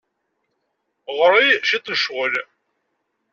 Ɣer-i cwiṭ n ccɣel.